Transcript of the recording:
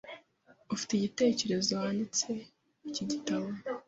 Ufite igitekerezo wanditse iki gitabo?